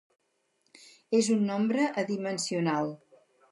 És un nombre adimensional.